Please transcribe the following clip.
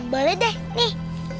boleh deh nih